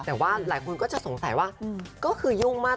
แต่ว่าหลายคนก็จะสงสัยว่าก็คือยุ่งมาก